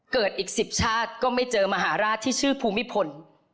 เกิดอีก๑๐ชาติก็ไม่เจอมหาราชที่ชื่อภูมิพล